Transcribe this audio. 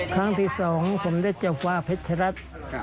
ครั้งที่๒สวนเจ้าฟ้าเพชรรัฐ